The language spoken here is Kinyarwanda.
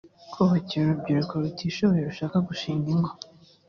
kubakira urubyiruko rutishoboye rushaka gushinga ingo